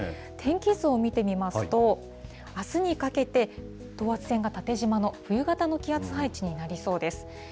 天気図を見てみますと、あすにかけて、等圧線が縦じまの冬型の気圧配置になりそうです。